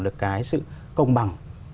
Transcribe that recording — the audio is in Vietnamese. được cái sự công bằng